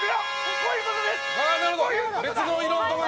こういうことだ！